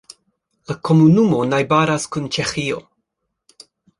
La komunumo najbaras kun Ĉeĥio.